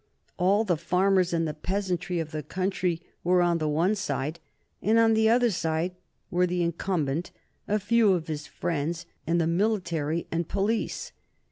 All the farmers and the peasantry of the country were on the one side, and on the other were the incumbent, a few of his friends, and the military and police.